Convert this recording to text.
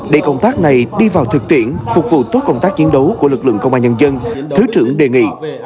để công tác này đi vào thực tiễn phục vụ tốt công tác chiến đấu của lực lượng công an nhân dân thứ trưởng đề nghị